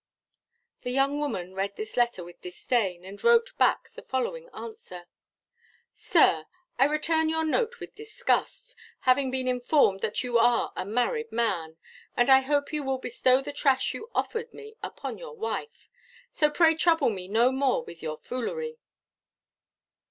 The young woman read this letter with disdain, and wrote back the following answer: "SIR, I return your note with disgust, having been informed that you are a married man, and I hope you will bestow the trash you offered me upon your wife. So pray trouble me no more with your foolery."